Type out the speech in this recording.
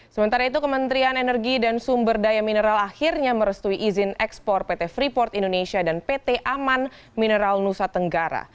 sementara itu kementerian energi dan sumber daya mineral akhirnya merestui izin ekspor pt freeport indonesia dan pt aman mineral nusa tenggara